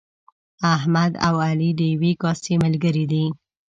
احمد او علي د یوې کاسې ملګري دي.